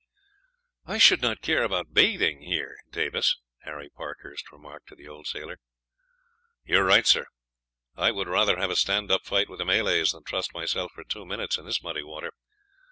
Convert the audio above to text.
"I should not care about bathing here, Davis," Harry Parkhurst remarked to the old sailor. "You are right, sir; I would rather have a stand up fight with the Malays than trust myself for two minutes in this muddy water.